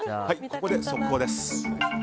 ここで速報です。